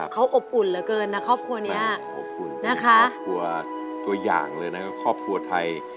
เขาอบอุ่นเหลือเกินนะครอบครัวเนี้ยนะคะครอบครัวตัวอย่างเลยนะครอบครัวไทย